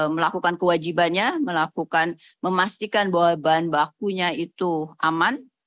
melakukan kewajibannya memastikan bahwa bahan bakunya itu aman